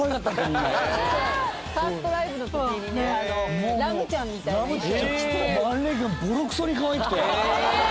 みんなファーストライブの時にねラムちゃんみたいな衣装着てあれがボロクソにかわいくてえ！